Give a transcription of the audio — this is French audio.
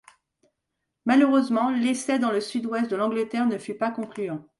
Malheureusement, l’essai dans le sud-ouest de l’Angleterre ne fut pas concluant.